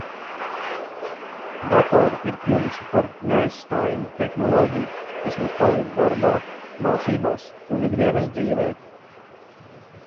Datori ir kļuvuši par neaizstājamu tehnoloģiju, kas mums palīdz darbā, mācībās un ikdienas dzīvē.